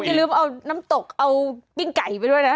อย่าลืมเอาน้ำตกเอาปิ้งไก่ไปด้วยนะ